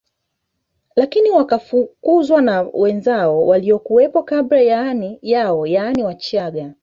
Lakini wakafukuzwa na wenzao waliokuwepo kabla yao yaani Wachaga